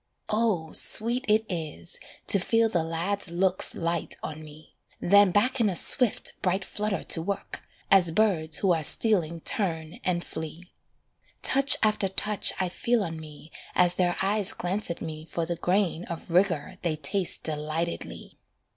Oh, sweet it is To feel the lads' looks light on me, Then back in a swift, bright flutter to work, As birds who are stealing turn and flee. Touch after touch I feel on me As their eyes glance at me for the grain Of rigour they taste delightedly.